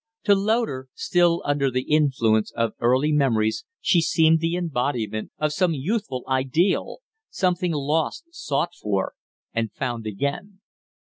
To Loder, still under the influence of early memories, she seemed the embodiment of some youthful ideal something lost, sought for, and found again.